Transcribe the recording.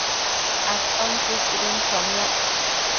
aton chuiquidën chomiac